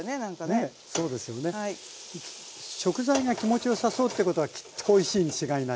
食材が気持ちよさそうということはきっとおいしいに違いない。